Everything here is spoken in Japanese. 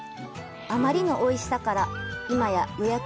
あまりのおいしさから、今や予約